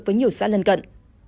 với nhiều xã lân gận